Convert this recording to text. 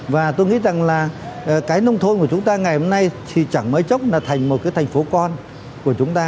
và tôi nghĩ rằng là cái nông thôn của chúng ta ngày hôm nay thì chẳng mới chốc là thành một cái thành phố con của chúng ta